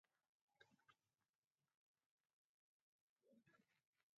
د فراه په پرچمن کې د وسپنې نښې شته.